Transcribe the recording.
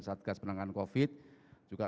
satgas penanganan covid juga